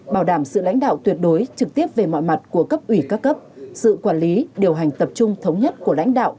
bảo đảm sự lãnh đạo tuyệt đối trực tiếp về mọi mặt của cấp ủy các cấp sự quản lý điều hành tập trung thống nhất của lãnh đạo